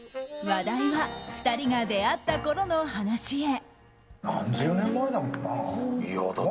話題は２人が出会った頃の話へ。